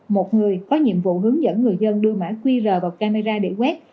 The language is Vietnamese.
một người có nhiệm vụ hướng dẫn người dân đưa mã qr vào camera để quét